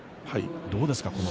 どうですか？